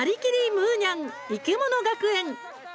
むーにゃん生きもの学園」。